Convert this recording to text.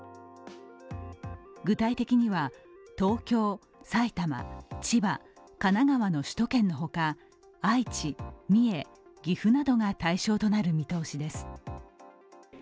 具体的には東京、埼玉、千葉、神奈川の首都圏のほか、愛知、三重、岐阜などが対象となる見通しです。